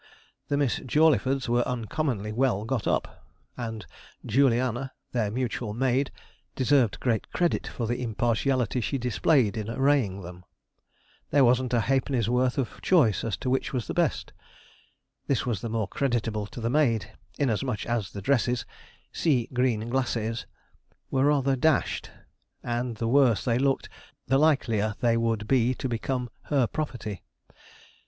The Miss Jawleyfords were uncommonly well got up, and Juliana, their mutual maid, deserved great credit for the impartiality she displayed in arraying them. There wasn't a halfpenny's worth of choice as to which was the best. This was the more creditable to the maid, inasmuch as the dresses sea green glacés were rather dashed; and the worse they looked, the likelier they would be to become her property.